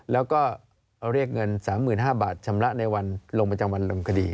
แล้วก็เรียกเงิน๓๕๐๐บาทชำระในวันลงประจำวันลำคดี